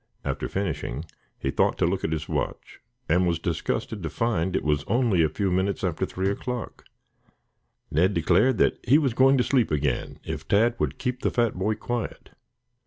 After finishing, he thought to look at his watch and was disgusted to find it was only a few minutes after three o'clock. Ned declared that he was going to sleep again if Tad would keep the fat boy quiet.